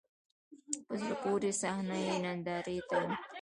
په زړه پورې صحنه یې نندارې ته و.